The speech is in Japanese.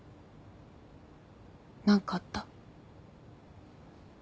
何かあった？